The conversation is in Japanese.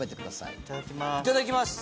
いただきます。